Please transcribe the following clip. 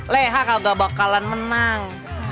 leha gak bakalan menang